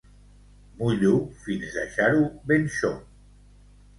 Mullo fins deixar-ho ben xop.